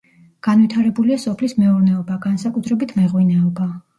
განვითარებულია სოფლის მეურნეობა, განსაკუთრებით მეღვინეობა.